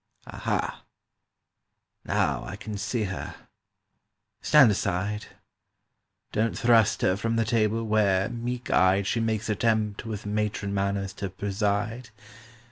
"Aha—now I can see her! Stand aside: Don't thrust her from the table Where, meek eyed, She makes attempt with matron manners to preside.